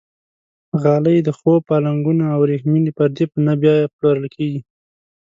غالۍ، د خوب پالنګونه او وریښمینې پردې په نه بیه پلورل کېږي.